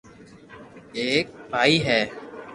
ايڪ ڀائي ھي